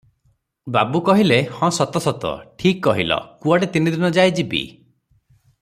ବାବୁ କହିଲେ – ହଁ, ସତ – ସତ, ଠିକ୍ କହିଲ, କୁଆଡ଼େ ତିନି ଦିନ ଯାଏ ଯିବି?